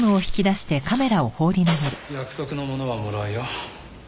約束のものはもらうよ。